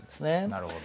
なるほど。